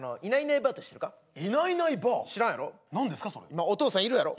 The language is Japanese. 今お父さんいるやろ？